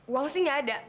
uang sih gak ada